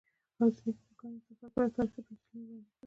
ازادي راډیو د د کانونو استخراج په اړه تاریخي تمثیلونه وړاندې کړي.